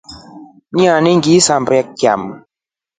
Ini ngilisambia chamu.